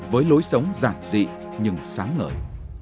với lối sống giản dị nhưng sáng ngời